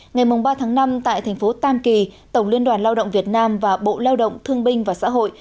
ngày ba tháng năm tại thành phố tam kỳ tổng liên đoàn lao động việt nam và bộ lao động thương binh và xã hội